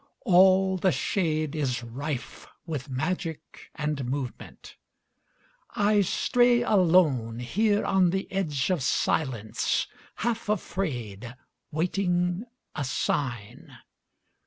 All the shadeIs rife with magic and movement. I stray aloneHere on the edge of silence, half afraid, Waiting a sign.